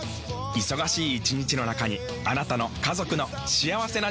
忙しい一日の中にあなたの家族の幸せな時間をつくります。